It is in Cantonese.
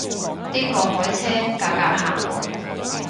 啲過海車架架客滿